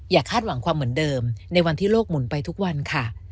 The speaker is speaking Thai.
คาดหวังความเหมือนเดิมในวันที่โลกหมุนไปทุกวันค่ะ